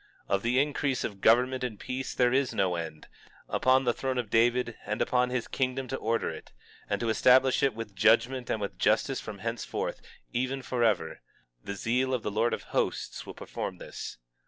19:7 Of the increase of government and peace there is no end, upon the throne of David, and upon his kingdom to order it, and to establish it with judgment and with justice from henceforth, even forever. The zeal of the Lord of Hosts will perform this.